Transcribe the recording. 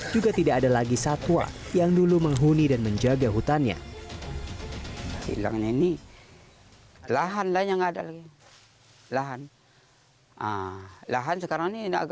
juga tidak ada lagi satwa yang dulu menghuni dan menjaga hutannya